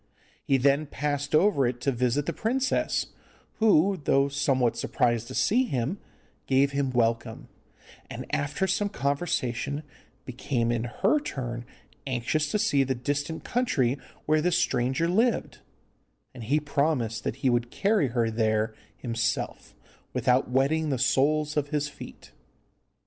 He then passed over it to visit the princess, who, though somewhat surprised to see him, gave him welcome, and after some conversation became in her turn anxious to see the distant country where this stranger lived, and he promised that he would carry her there himself, without wetting the soles of his feet.